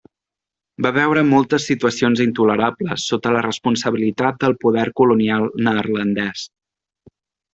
Va veure moltes situacions intolerables sota la responsabilitat del poder colonial neerlandès.